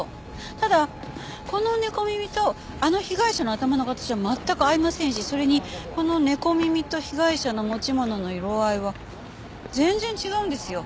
ただこの猫耳とあの被害者の頭の形は全く合いませんしそれにこの猫耳と被害者の持ち物の色合いは全然違うんですよ。